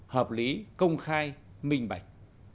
hợp lý công khai minh bạch